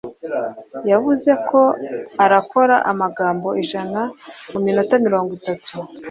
yavuze ko arakora amagambo ijana mu mitona mirongo itatu